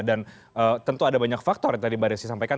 dan tentu ada banyak faktor yang tadi mbak desi sampaikan